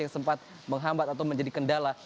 yang sempat menghambat atau menjadi kendala